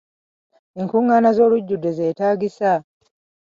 Enkungaana z'olujjudde zeetaagisa?